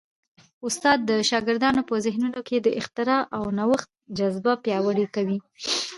استاد د شاګردانو په ذهنونو کي د اختراع او نوښت جذبه پیاوړې کوي.